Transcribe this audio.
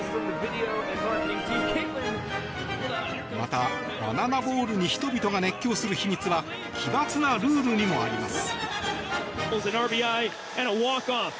また、バナナボールに人々が熱狂する秘密は奇抜なルールにもあります。